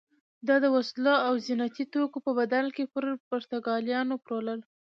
دا د وسلو او زینتي توکو په بدل کې پر پرتګالیانو پلورل.